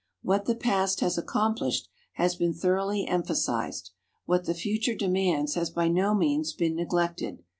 What the past has accomplished has been thoroughly emphasized; what the future demands has by no means been neglected.